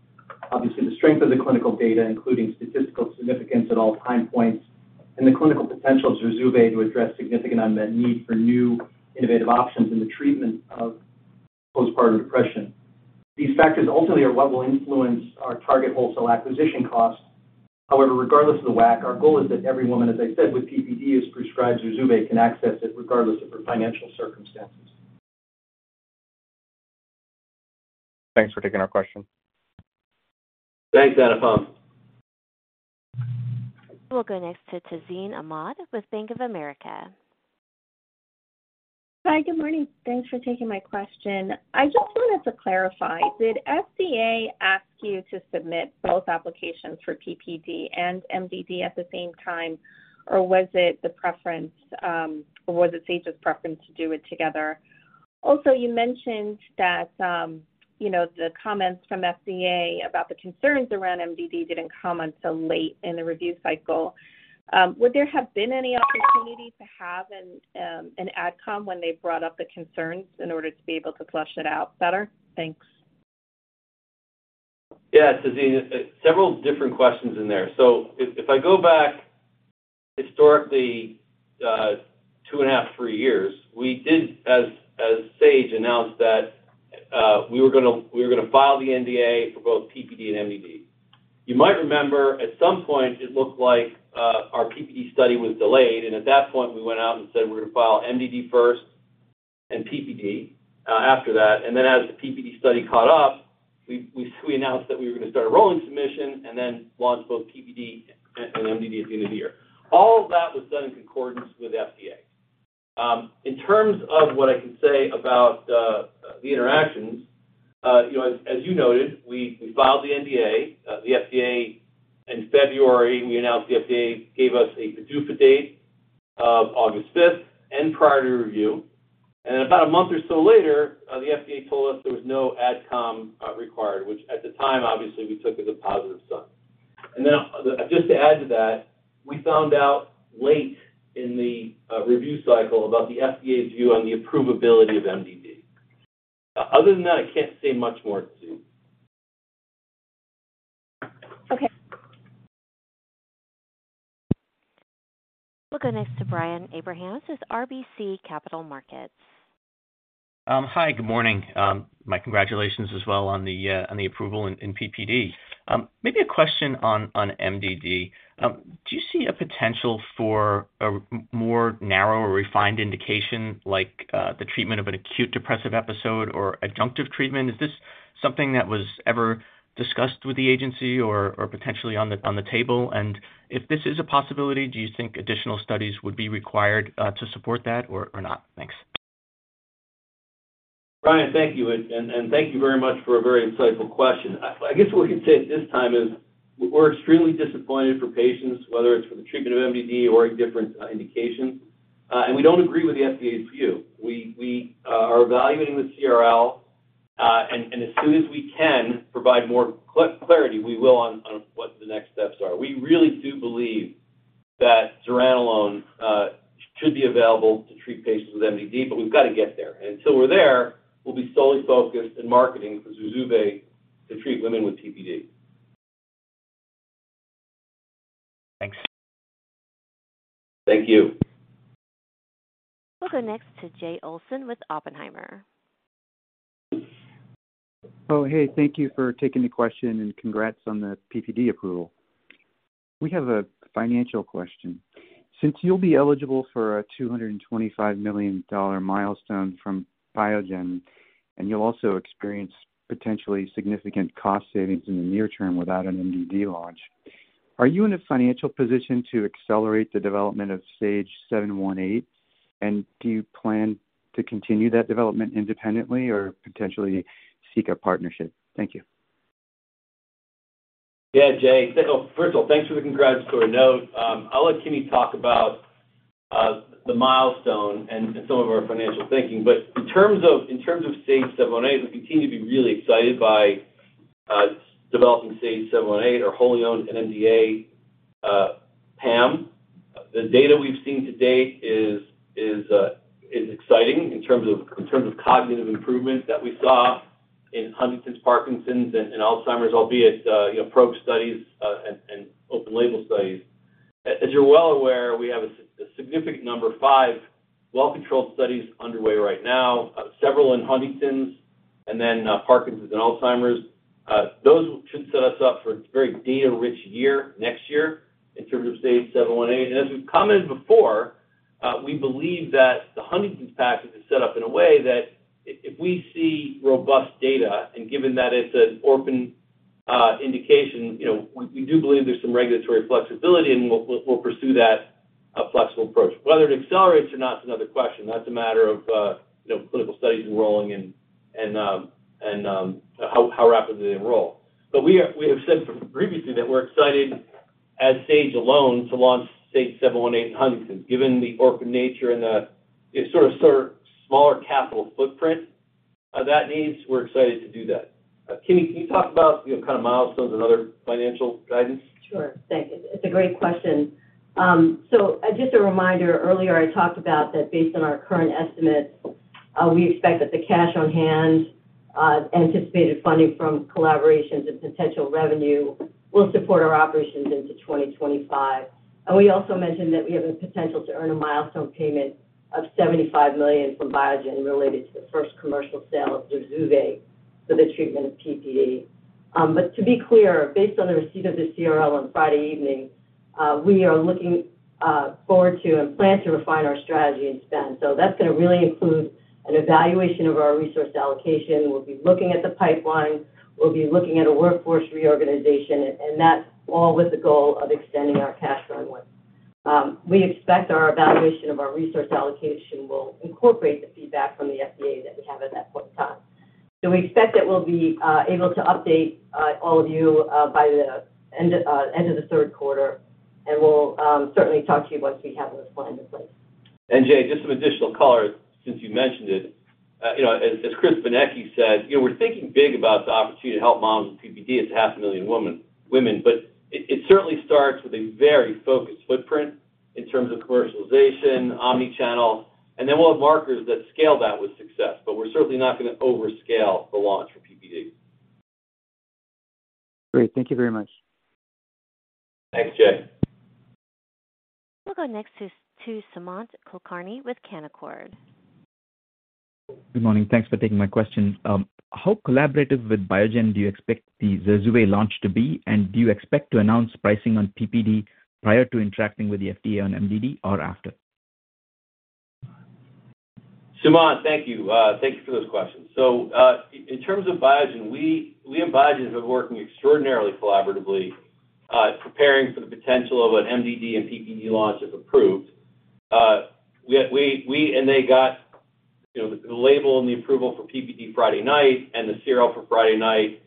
obviously, the strength of the clinical data, including statistical significance at all time points, and the clinical potential of ZURZUVAE to address significant unmet need for new innovative options in the treatment of postpartum depression. These factors ultimately are what will influence our target Wholesale Acquisition Cost. However, regardless of the WAC, our goal is that every woman, as I said, with PPD is prescribed ZURZUVAE can access it regardless of her financial circumstances. Thanks for taking our question. Thanks, Anupam. We'll go next to Tazeen Ahmad with Bank of America. Hi, good morning. Thanks for taking my question. I just wanted to clarify, did FDA ask you to submit both applications for PPD and MDD at the same time, or was it the preference, or was it Sage's preference to do it together? You mentioned that, you know, the comments from FDA about the concerns around MDD didn't come until late in the review cycle. Would there have been any opportunity to have an Ad Comm when they brought up the concerns in order to be able to flush it out better? Thanks. Yeah, Tazeen, several different questions in there. If, if I go back historically, 2.5, three years, we did, as, as Sage announced that, we were gonna, we were gonna file the NDA for both PPD and MDD. You might remember, at some point, it looked like, our PPD study was delayed, and at that point, we went out and said we were going to file MDD first and PPD, after that. As the PPD study caught up, we, we, we announced that we were going to start a rolling submission and then launch both PPD and MDD at the end of the year. All of that was done in concordance with FDA. In terms of what I can say about the interactions, you know, as you noted, we filed the NDA, the FDA in February. We announced the FDA gave us a PDUFA date of August 5th and priority review. About a month or so later, the FDA told us there was no Ad Comm required, which at the time, obviously, we took as a positive sign. Just to add to that, we found out late in the review cycle about the FDA's view on the approvability of MDD. Other than that, I can't say much more, Tazeen. Okay. We'll go next to Brian Abrahams with RBC Capital Markets. Hi, good morning. My congratulations as well on the approval in PPD. Maybe a question on MDD. Do you see a potential for a more narrow or refined indication, like the treatment of an acute depressive episode or adjunctive treatment? Is this something that was ever discussed with the agency or potentially on the table? If this is a possibility, do you think additional studies would be required to support that or not? Thanks. Brian, thank you. Thank you very much for a very insightful question. I guess what we can say at this time is we're extremely disappointed for patients, whether it's for the treatment of MDD or a different indication, and we don't agree with the FDA's view. We, are evaluating the CRL, and as soon as we can provide more clarity, we will on, on what the next steps are. We really do believe that Zuranolone should be available to treat patients with MDD, but we've got to get there. Until we're there, we'll be solely focused in marketing for ZURZUVAE to treat women with PPD. Thanks. Thank you. We'll go next to Jay Olson with Oppenheimer. Oh, hey, thank you for taking the question, and congrats on the PPD approval. We have a financial question. Since you'll be eligible for a $225 million milestone from Biogen, and you'll also experience potentially significant cost savings in the near term without an MDD launch, are you in a financial position to accelerate the development of SAGE-718? Do you plan to continue that development independently or potentially seek a partnership? Thank you. Yeah, Jay. First of all, thanks for the congratulatory note. I'll let Kimi talk about the milestone and some of our financial thinking. But in terms of, in terms of SAGE-718, we continue to be really excited by developing SAGE-718, our wholly owned NMDA PAM. The data we've seen to date is, is exciting in terms of, in terms of cognitive improvement that we saw in Huntington's, Parkinson's, and Alzheimer's, albeit, you know, probe studies and open label studies. As you're well aware, we have a significant number, five, well-controlled studies underway right now, several in Huntington's and then Parkinson's and Alzheimer's. Those should set us up for a very data-rich year next year in terms of SAGE-718. As we've commented before, we believe that the Huntington's package is set up in a way that if we see robust data and given that it's an orphan indication, you know, we do believe there's some regulatory flexibility, and we'll, we'll, we'll pursue that flexible approach. Whether it accelerates or not is another question. That's a matter of, you know, clinical studies enrolling and, and how, how rapidly they enroll. We have, we have said previously that we're excited as Sage alone to launch SAGE-718 in Huntington's, given the orphan nature and the sort of, sort of smaller capital footprint that needs, we're excited to do that. Kimi, can you talk about, you know, kind of milestones and other financial guidance? Sure. Thank you. It's a great question. Just a reminder, earlier, I talked about that based on our current estimates, we expect that the cash on hand. anticipated funding from collaborations and potential revenue will support our operations into 2025. We also mentioned that we have the potential to earn a milestone payment of $75 million from Biogen related to the first commercial sale of ZURZUVAE for the treatment of PPD. To be clear, based on the receipt of the CRL on Friday evening, we are looking forward to and plan to refine our strategy and spend. That's going to really include an evaluation of our resource allocation. We'll be looking at the pipeline. We'll be looking at a workforce reorganization, and that's all with the goal of extending our cash runway. We expect our evaluation of our resource allocation will incorporate the feedback from the FDA that we have at that point in time. We expect that we'll be able to update all of you by the end of end of the Q3, and we'll certainly talk to you once we have this plan in place. Jay, just some additional color since you mentioned it. you know, as, as Chris Vanek said, you know, we're thinking big about the opportunity to help moms with PPD. It's half a million women, women, but it, it certainly starts with a very focused footprint in terms of commercialization, omnichannel, and then we'll have markers that scale that with success. We're certainly not going to overscale the launch for PPD. Great. Thank you very much. Thanks, Jay. We'll go next to Sumant Kulkarni with Canaccord. Good morning. Thanks for taking my question. How collaborative with Biogen do you expect the ZURZUVAE launch to be? Do you expect to announce pricing on PPD prior to interacting with the FDA on MDD or after? Sumant, thank you. Thank you for those questions. In terms of Biogen, we, we and Biogen have been working extraordinarily collaboratively, preparing for the potential of an MDD and PPD launch, if approved. We, we, and they got, you know, the label and the approval for PPD Friday night and the CRL for Friday night.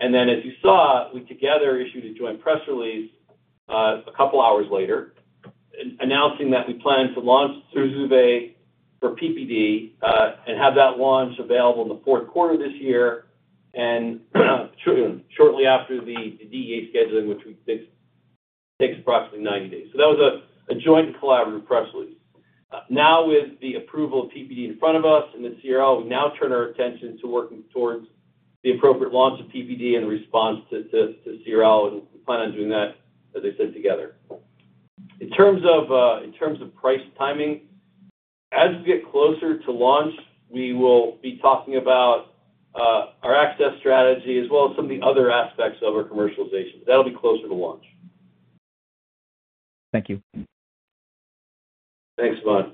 As you saw, we together issued a joint press release, two hours later, announcing that we plan to launch ZURZUVAE for PPD, and have that launch available in the Q4 of this year and, shortly after the DEA scheduling, which we think takes approximately 90 days. That was a, a joint collaborative press release. Now, with the approval of PPD in front of us and the CRL, we now turn our attention to working towards the appropriate launch of PPD in response to CRL, we plan on doing that, as I said, together. In terms of price timing, as we get closer to launch, we will be talking about our access strategy as well as some of the other aspects of our commercialization. That'll be closer to launch. Thank you. Thanks, Sumant.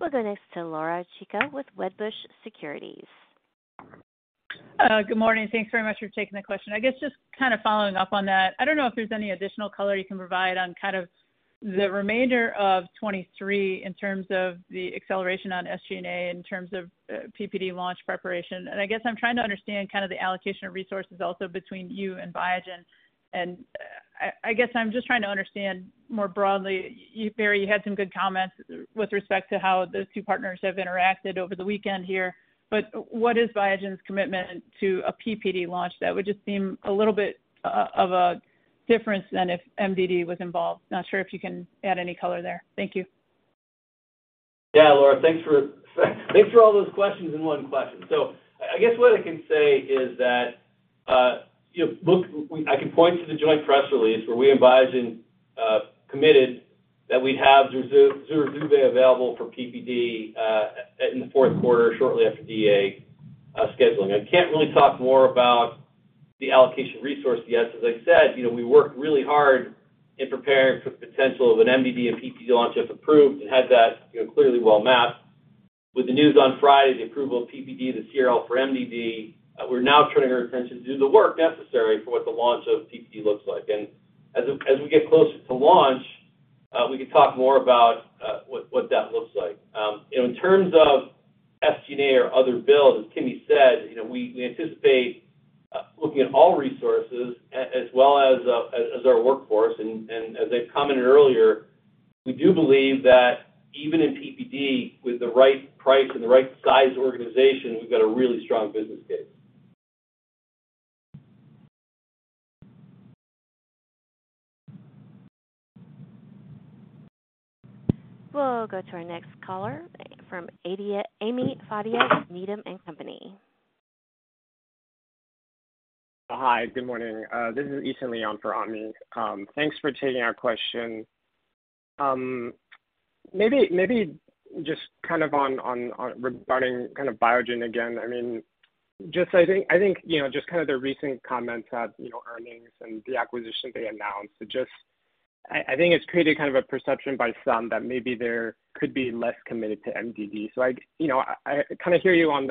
We'll go next to Laura Chico with Wedbush Securities. Good morning. Thanks very much for taking the question. I guess just kind of following up on that, I don't know if there's any additional color you can provide on kind of the remainder of 2023 in terms of the acceleration on SG&A, in terms of PPD launch preparation. I guess I'm trying to understand kind of the allocation of resources also between you and Biogen. I guess I'm just trying to understand more broadly. You, Barry, you had some good comments with respect to how those two partners have interacted over the weekend here, but what is Biogen's commitment to a PPD launch? That would just seem a little bit of a difference than if MDD was involved. Not sure if you can add any color there. Thank you. Yeah, Laura, thanks for all those questions in one question. I guess what I can say is that, you know, look, I can point to the joint press release where we and Biogen committed that we'd have ZURZUVAE available for PPD in the Q4, shortly after DEA scheduling. I can't really talk more about the allocation of resources yet. As I said, you know, we worked really hard in preparing for the potential of an MDD and PPD launch, if approved, and had that, you know, clearly well mapped. With the news on Friday, the approval of PPD, the CRL for MDD, we're now turning our attention to do the work necessary for what the launch of PPD looks like. As, as we get closer to launch, we can talk more about what, what that looks like. You know, in terms of SG&A or other bills, as Kimi said, you know, we, we anticipate looking at all resources a-as well as, as, as our workforce. As I commented earlier, we do believe that even in PPD, with the right price and the right size organization, we've got a really strong business case. We'll go to our next caller from Ami Fadia, Needham & Company. Hi, good morning. This is Isa Leon for Ami. Thanks for taking our question. Maybe, maybe just kind of on regarding kind of Biogen again, I mean, just I think, you know, just kind of the recent comments at, you know, earnings and the acquisition they announced. It just I think it's created kind of a perception by some that maybe they could be less committed to MDD. I, you know, I, I kind of hear you on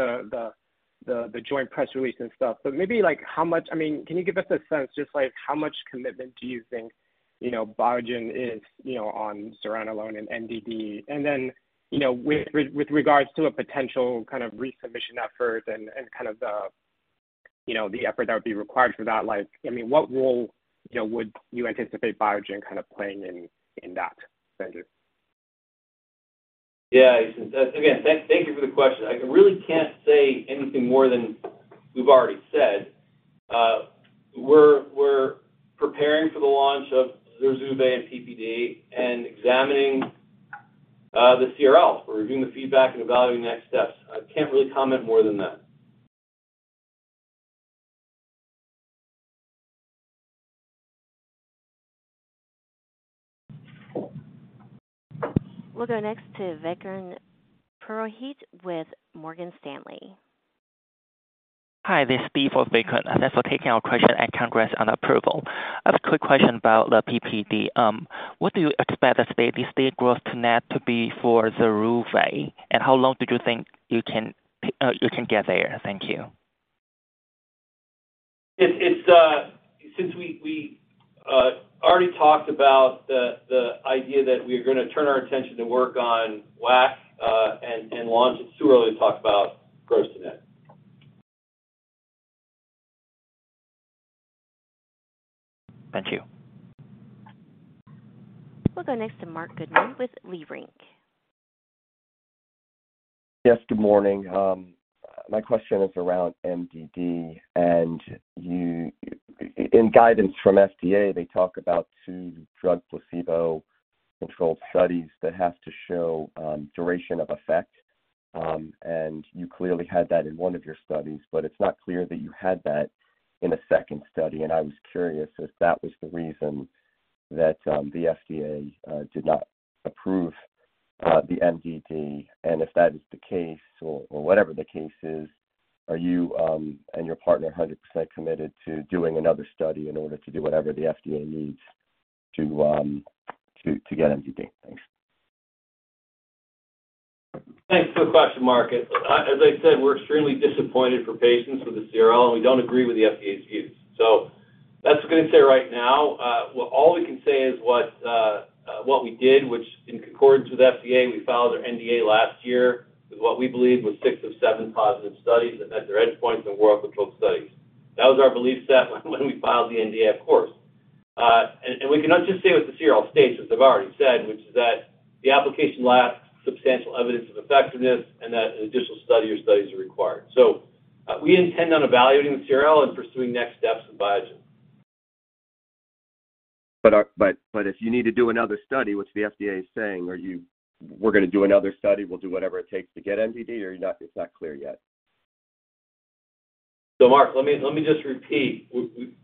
the joint press release and stuff, but maybe, like, how much I mean, can you give us a sense, just, like, how much commitment do you think, you know, Biogen is, you know, on Zuranolone and MDD? Then, you know, with, with, with regards to a potential kind of resubmission effort and, and kind of the, you know, the effort that would be required for that, like, I mean, what role, you know, would you anticipate Biogen kind of playing in, in that venture? Yeah. Again, thank, thank you for the question. I really can't say anything more than we've already said. ZURZUVAE and PPD and examining the CRL. We're reviewing the feedback and evaluating the next steps. I can't really comment more than that. We'll go next to Vikram Purohit with Morgan Stanley. Hi, this is Steve for Vikram. Thanks for taking our question, and congrats on approval. A quick question about the PPD. What do you expect the steady-state growth to net to be for ZURZUVAE, and how long did you think you can, you can get there? Thank you. It's, since we, already talked about the, the idea that we are gonna turn our attention to work on WAC, and, and launch, it's too early to talk about gross-to-net. Thank you. We'll go next to Marc Goodman with Leerink. Yes, good morning. My question is around MDD, and you, in guidance from FDA, they talk about two drug placebo-controlled studies that have to show duration of effect. You clearly had that in one of your studies, but it's not clear that you had that in a second study. I was curious if that was the reason that the FDA did not approve the MDD. If that is the case or whatever the case is, are you and your partner 100% committed to doing another study in order to do whatever the FDA needs to to get MDD? Thanks. Thanks for the question, Marc. As I said, we're extremely disappointed for patients with the CRL, and we don't agree with the FDA's views. That's what I'm gonna say right now. Well, all we can say is what we did, which in concordance with FDA, we filed our NDA last year, with what we believe was six of seven positive studies that met their endpoints in well-controlled studies. That was our belief set when we filed the NDA, of course. We can just say what the CRL states, as I've already said, which is that the application lacks substantial evidence of effectiveness and that additional study or studies are required. We intend on evaluating the CRL and pursuing next steps with Biogen. If you need to do another study, which the FDA is saying, are you, "We're gonna do another study. We'll do whatever it takes to get MDD," or you're not, it's not clear yet? Marc, let me just repeat.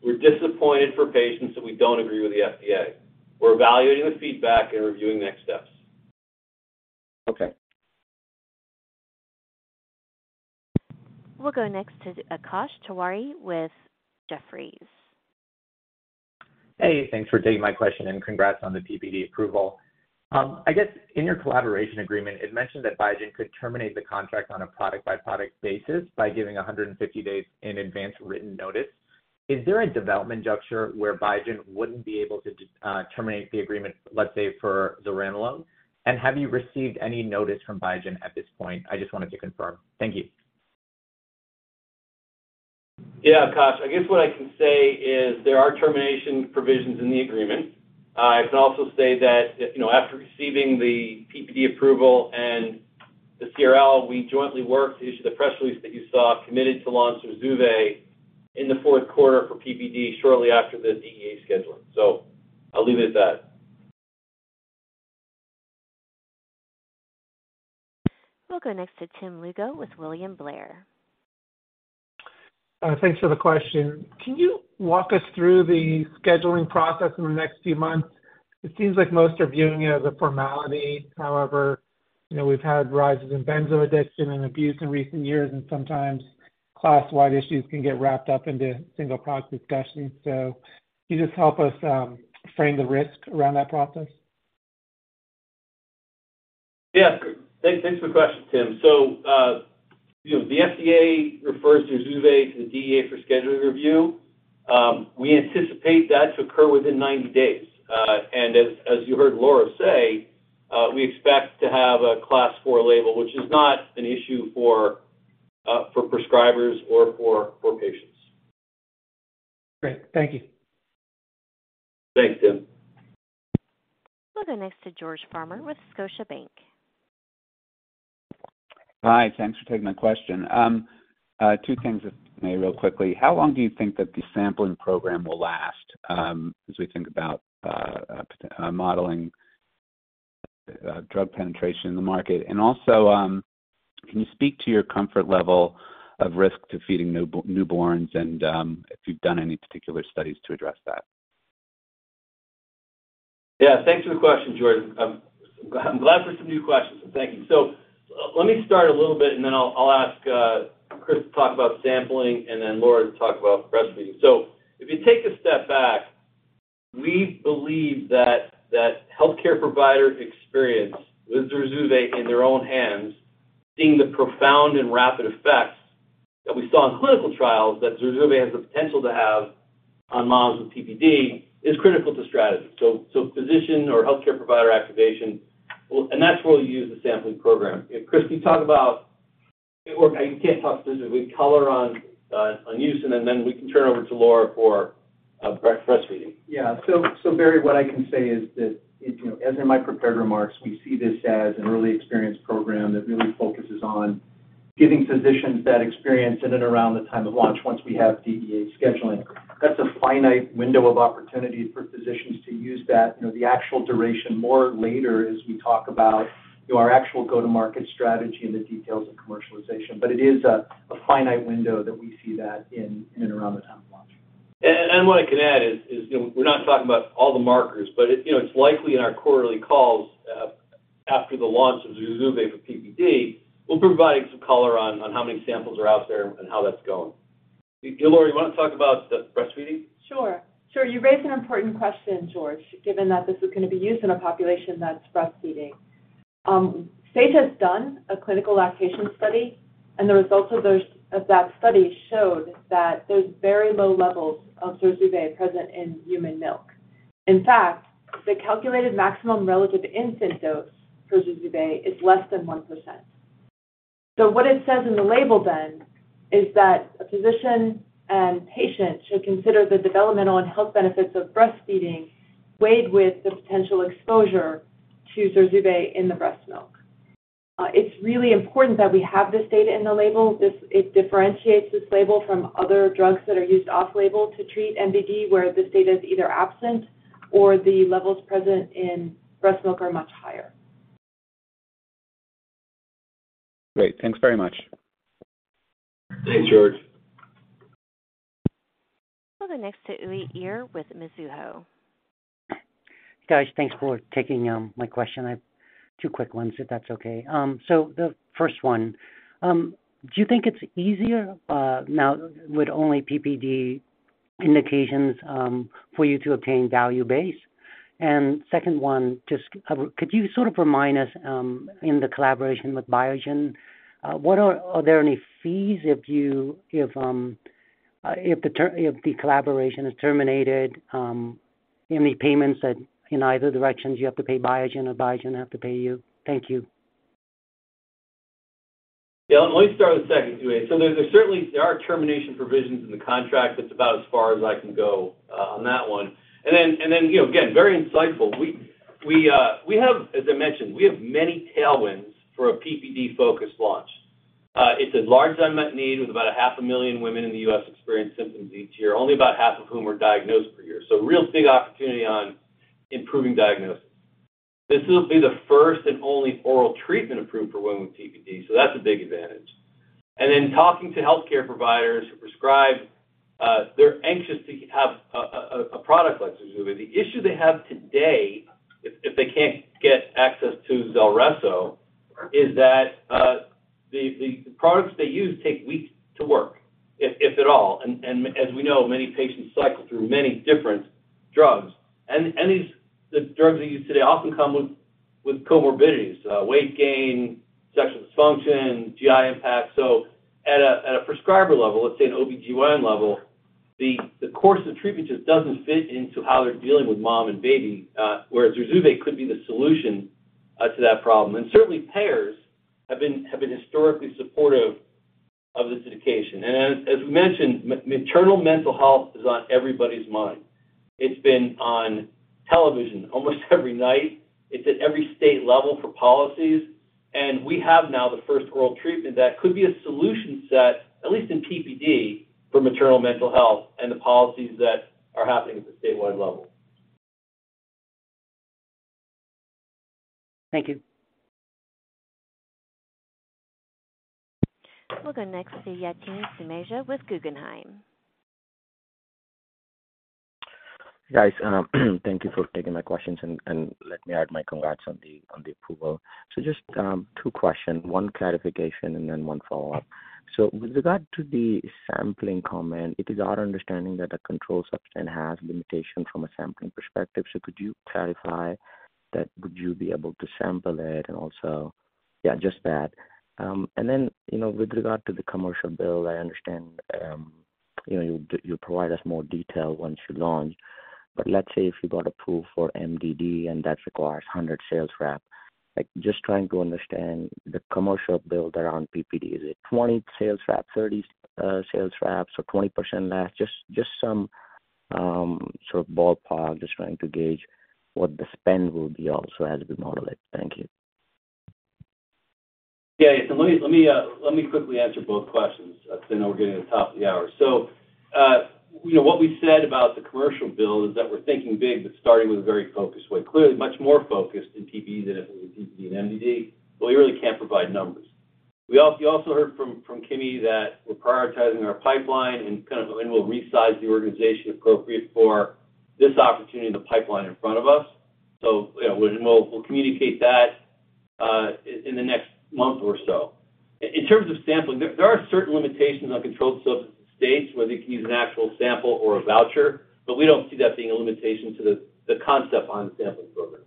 We're disappointed for patients, and we don't agree with the FDA. We're evaluating the feedback and reviewing next steps. Okay. We'll go next to Akash Tewari with Jefferies. Hey, thanks for taking my question, and congrats on the PPD approval. I guess in your collaboration agreement, it mentioned that Biogen could terminate the contract on a product-by-product basis by giving 150 days in advance written notice. Is there a development juncture where Biogen wouldn't be able to terminate the agreement, let's say, for Dalzanemdor? Have you received any notice from Biogen at this point? I just wanted to confirm. Thank you. Yeah, Akash, I guess what I can say is there are termination provisions in the agreement. I can also say that, you know, after receiving the PPD approval and the CRL, we jointly worked to issue the press release that you saw, committed to launch ZURZUVAE in the Q4 for PPD shortly after the DEA scheduling. I'll leave it at that. We'll go next to Tim Lugo with William Blair. Thanks for the question. Can you walk us through the scheduling process in the next few months? It seems like most are viewing it as a formality. However, you know, we've had rises in benzo addiction and abuse in recent years, and sometimes class-wide issues can get wrapped up into single product discussions. Can you just help us frame the risk around that process? Yeah. Thank, thanks for the question, Tim. You know, the FDA refers ZURZUVAE to the DEA for scheduling review. We anticipate that to occur within 90 days. As you heard Laura say, we expect to have a Class 4 label, which is not an issue for prescribers or for patients. Great. Thank you. Thanks, Tim. We'll go next to George Farmer with Scotiabank. Hi, thanks for taking my question. Two things, if I may, real quickly. How long do you think that the sampling program will last, as we think about modeling drug penetration in the market? Also, can you speak to your comfort level of risk to feeding newborns and if you've done any particular studies to address that? Yeah, thanks for the question, George. I'm glad for some new questions, thank you. Let me start a little bit, and then I'll ask Chris to talk about sampling and then Laura to talk about breastfeeding. If you take a step back, we believe that healthcare provider experience with ZURZUVAE in their own hands, seeing the profound and rapid effects that we saw in clinical trials, that ZURZUVAE has the potential to have on moms with PPD, is critical to strategy. Physician or healthcare provider activation, well, that's where we use the sampling program. Chris, can you talk about, or you can't talk about this, we color on use, and then we can turn it over to Laura for breastfeeding. Barry, what I can say is that, you know, as in my prepared remarks, we see this as an early experience program that really focuses on giving physicians that experience in and around the time of launch, once we have DEA scheduling. That's a finite window of opportunity for physicians to use that, you know, the actual duration, more later as we talk about, you know, our actual go-to-market strategy and the details of commercialization. But it is a finite window that we see that in and around the time of launch. What I can add is, is, you know, we're not talking about all the markers, but it, you know, it's likely in our quarterly calls, after the launch of ZURZUVAE for PPD, we'll provide some color on, on how many samples are out there and how that's going. Laura, you want to talk about the breastfeeding? Sure. Sure. You raised an important question, George, given that this is going to be used in a population that's breastfeeding. Sage has done a clinical lactation study, and the results of those, of that study showed that there's very low levels of ZURZUVAE present in human milk. In fact, the calculated maximum relative infant dose for ZURZUVAE is less than 1%. So what it says in the label then, is that a physician and patient should consider the developmental and health benefits of breastfeeding, weighed with the potential exposure to ZURZUVAE in the breast milk. It's really important that we have this data in the label. This, it differentiates this label from other drugs that are used off-label to treat MDD, where this data is either absent or the levels present in breast milk are much higher. Great. Thanks very much. Thanks, George. We'll go next to Uy Ear with Mizuho. Guys, thanks for taking my question. I have two quick ones, if that's okay. The first one, do you think it's easier now with only PPD indications for you to obtain value base? Second one, just, could you sort of remind us in the collaboration with Biogen, are there any fees if you, if the collaboration is terminated, any payments that in either directions you have to pay Biogen or Biogen have to pay you? Thank you. Yeah, let me start with the second one. There, there certainly, there are termination provisions in the contract. That's about as far as I can go on that one. You know, again, very insightful. We have, as I mentioned, we have many tailwinds for a PPD-focused launch. It's a large unmet need, with about 500,000 women in the U.S. experience symptoms each year, only about 50% of whom are diagnosed per year. Real big opportunity on improving diagnosis. This will be the first and only oral treatment approved for women with PPD, so that's a big advantage. Talking to healthcare providers who prescribe, they're anxious to have a product like ZURZUVAE. The issue they have today, if, if they can't get access to ZULRESSO, is that the, the products they use take weeks to work, if, if at all. As we know, many patients cycle through many different drugs, and, and these, the drugs they use today often come with, with comorbidities, weight gain, sexual dysfunction, GI impacts. At a, at a prescriber level, let's say an OBGYN level, the, the course of treatment just doesn't fit into how they're dealing with mom and baby, whereas ZURZUVAE could be the solution to that problem. Certainly, payers have been, have been historically supportive of this indication. As, as we mentioned, maternal mental health is on everybody's mind. It's been on television almost every night. It's at every state level for policies. We have now the first oral treatment that could be a solution set, at least in PPD, for maternal mental health and the policies that are happening at the statewide level. Thank you. We'll go next to Yatin Suneja with Guggenheim. Guys, thank you for taking my questions, and let me add my congrats on the, on the approval. Just twoquestions, one clarification and then one follow-up. With regard to the sampling comment, it is our understanding that a controlled substance has limitation from a sampling perspective. Could you clarify that? Would you be able to sample it? Also. Yeah, just that. Then, you know, with regard to the commercial build, I understand, you know, you'll, you'll provide us more detail once you launch. Let's say if you got approved for MDD and that requires 100 sales rep, like, just trying to understand the commercial build around PPD. Is it 20 sales rep, 30 sales reps or 20% less? Just, just some sort of ballpark. Just trying to gauge what the spend will be also as we model it. Thank you. Yeah. Let me, let me, let me quickly answer both questions, because I know we're getting to the top of the hour. You know, what we said about the commercial build is that we're thinking big, but starting with a very focused way. Clearly, much more focused in PPD than it would be in MDD. We really can't provide numbers. You also heard from, from Kimi that we're prioritizing our pipeline and kind of, and we'll resize the organization appropriate for this opportunity in the pipeline in front of us. You know, we'll, we'll communicate that in, in the next month or so. In terms of sampling, there are certain limitations on controlled substance states, whether you can use an actual sample or a voucher, but we don't see that being a limitation to the concept on the sampling program.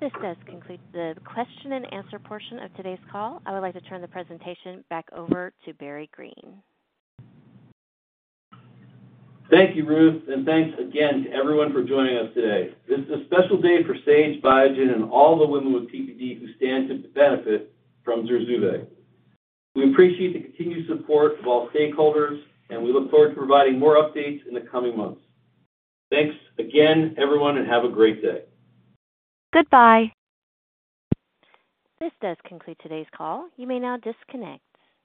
This does conclude the Q&A portion of today's call. I would like to turn the presentation back over to Barry Greene. Thank you, Ruth, and thanks again to everyone for joining us today. This is a special day for Sage Biogen and all the women with PPD who stand to benefit from ZURZUVAE. We appreciate the continued support of all stakeholders, and we look forward to providing more updates in the coming months. Thanks again, everyone, and have a great day. Goodbye. This does conclude today's call. You may now disconnect.